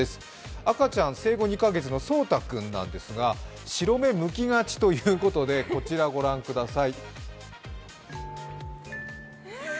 赤ちゃん、生後２か月のそうた君なんですが、白目むきがちということで、こちらご覧ください。